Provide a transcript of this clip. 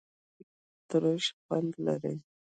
تیزاب معمولا ترش خوند لري.